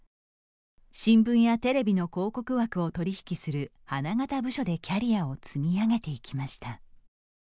新聞やテレビの広告枠を取り引きする花形部署でキャリアを積み上げていきました。